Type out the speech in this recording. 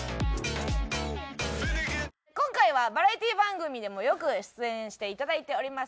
今回はバラエティ番組でもよく出演していただいております